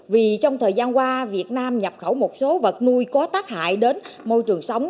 vì trong thời gian qua việt nam nhập khẩu một số vật nuôi có tác hại đến môi trường sống